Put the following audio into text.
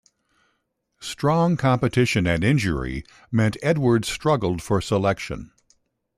Strong competition and injury meant Edwards struggled for selection.